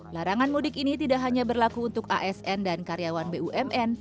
larangan mudik ini tidak hanya berlaku untuk asn dan karyawan bumn